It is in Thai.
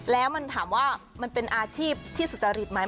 แล้วมันถามว่ามันเป็นอาชีพที่สุจริตไหม